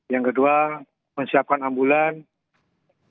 yang kedua menyiapkan ambulans